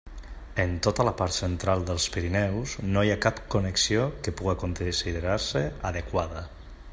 En tota la part central dels Pirineus no hi ha cap connexió que puga considerar-se adequada.